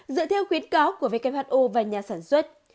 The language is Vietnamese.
dựa theo khuyến cáo của who và nhà sản xuất